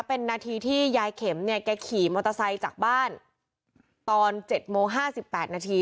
เป็นนาทีที่ยายเข็มเนี่ยแกขี่มอเตอร์ไซค์จากบ้านตอน๗โมง๕๘นาที